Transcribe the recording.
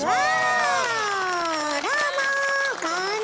どうも！